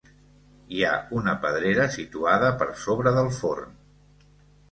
Hi ha una pedrera situada per sobre del forn.